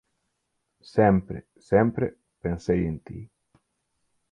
Sempre, sempre pensei en ti.